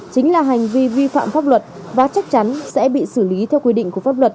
chính là hành vi vi phạm pháp luật và chắc chắn sẽ bị xử lý theo quy định của pháp luật